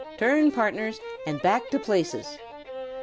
Turn partners, and back to places!